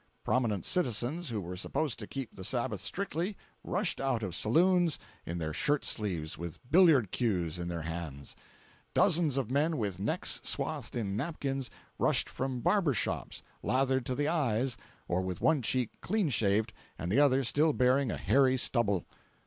Prominent citizens who were supposed to keep the Sabbath strictly, rushed out of saloons in their shirt sleeves, with billiard cues in their hands. Dozens of men with necks swathed in napkins, rushed from barber shops, lathered to the eyes or with one cheek clean shaved and the other still bearing a hairy stubble.